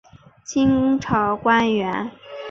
清朝官员。